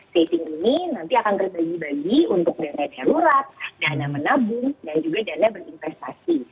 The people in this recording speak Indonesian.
saving ini nanti akan terbagi bagi untuk dana darurat dana menabung dan juga dana berinvestasi